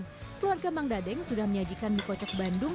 keluarga mang dadeng sudah menyajikan mie kocok bandung